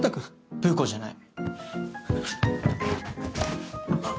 ブー子じゃない。